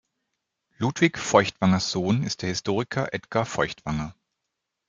Ludwig Feuchtwangers Sohn ist der Historiker Edgar Feuchtwanger.